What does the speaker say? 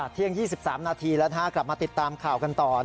เที่ยง๒๓นาทีแล้วกลับมาติดตามข่าวกันต่อ